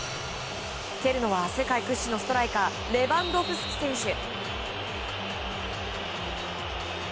蹴るのは世界屈指のストライカーレバンドフスキ選手。